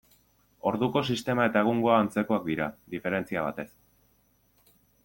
Orduko sistema eta egungoa antzekoak dira, diferentzia batez.